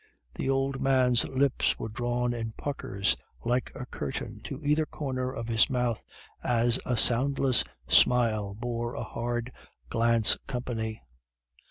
"The old man's lips were drawn in puckers, like a curtain, to either corner of his mouth, as a soundless smile bore a hard glance company.